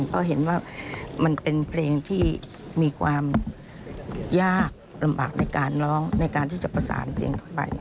เพราะเห็นว่ามันเป็นเพลงที่มีความยากลำบากในการร้องในการที่จะประสานเสียงเข้าไป